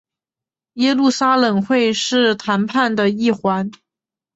耶路撒冷会是谈判的一环。